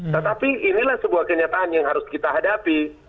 tetapi inilah sebuah kenyataan yang harus kita hadapi